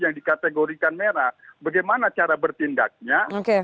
yang dikategorikan merah bagaimana cara bertindaknya